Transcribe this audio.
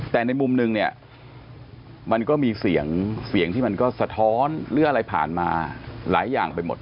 แต่ในมุมนึงเนี่ยมันก็มีเสียงเสียงที่มันก็สะท้อนหรืออะไรผ่านมาหลายอย่างไปหมด